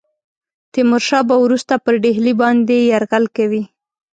تیمور شاه به وروسته پر ډهلي باندي یرغل کوي.